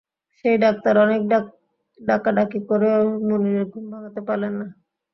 সেই ডাক্তার অনেক ডাকাডাকি করেও মুনিরের ঘুম ভাঙাতে পারলেন না।